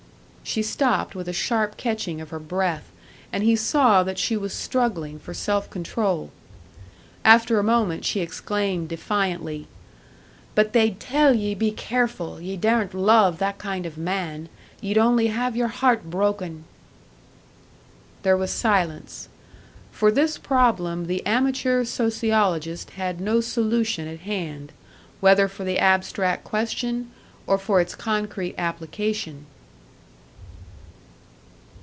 She stopped with a sharp catching of her breath, and he saw that she was struggling for self control. After a moment she exclaimed, defiantly: "But they'd tell ye, be careful, ye daren't love that kind of man; ye'd only have your heart broken!" There was silence. For this problem the amateur sociologist had no solution at hand whether for the abstract question, or for its concrete application!